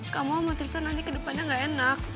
kamu sama tristan nanti ke depannya gak enak